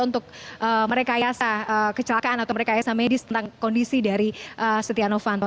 untuk merekayasa kecelakaan atau merekayasa medis tentang kondisi dari setia novanto